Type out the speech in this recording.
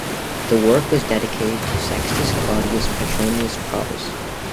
The work was dedicated to Sextus Claudius Petronius Probus.